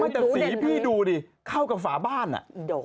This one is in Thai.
แต่สีพี่ดูดิเข้ากับฝาบ้านอ่ะ